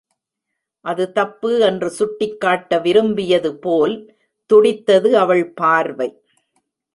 அது தப்பு என்று சுட்டிக் காட்ட விரும்பியது போல் துடித்தது அவள் பார்வை.